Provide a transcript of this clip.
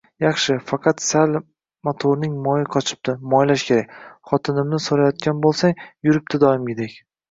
- Yaxshi, faqat sal motorining moyi qochibdi, moylash kerak. Xotinimni soʻrayotgan boʻlsang, yuribdi doimgidek..